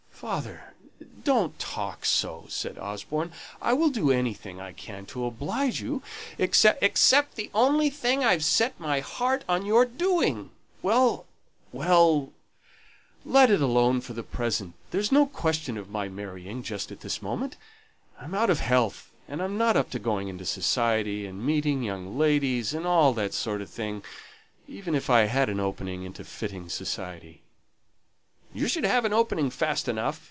"Father, don't talk so," said Osborne. "I'll do anything I can to oblige you, except " "Except the only thing I've set my heart on your doing." "Well, well, let it alone for the present. There's no question of my marrying just at this moment. I'm out of health, and I'm not up to going into society, and meeting young ladies and all that sort of thing, even if I had an opening into fitting society." "You should have an opening fast enough.